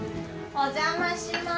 ・お邪魔しまーす。